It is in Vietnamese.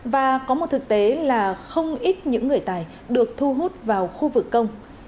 và có một thực tế là không ít những người tài được thu hút vào khu vực công